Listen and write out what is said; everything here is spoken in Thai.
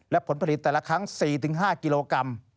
และผลผลิตแต่ละครั้ง๔๕กิโลกรัม